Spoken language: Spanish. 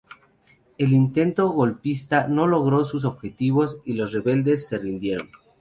El intento golpista no logró sus objetivos y los rebeldes se rindieron.